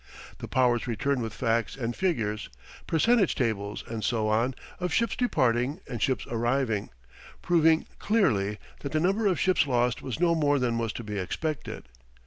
The powers returned with facts and figures, percentage tables, and so on, of ships departing and ships arriving; proving clearly that the number of ships lost was no more than was to be expected.